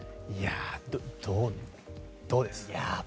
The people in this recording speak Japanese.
どうです？